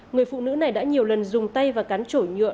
người phụ nữ này đã nhiều lần dùng tay và cán trổi nhựa